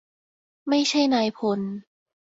ไม่ใช่นายพล